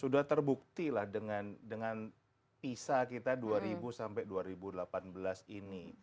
sudah terbukti lah dengan pisa kita dua ribu sampai dua ribu delapan belas ini